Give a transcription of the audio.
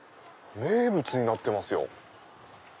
名物になってますよ。